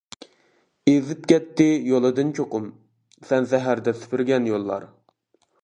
ئېزىپ كەتتى يولىدىن چوقۇم، سەن سەھەردە سۈپۈرگەن يوللار.